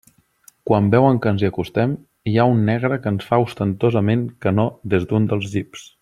Quan veuen que ens hi acostem, hi ha un negre que ens fa ostentosament que no des d'un dels jeeps.